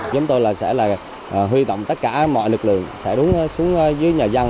chúng tôi sẽ huy tổng tất cả mọi lực lượng sẽ đúng xuống dưới nhà dân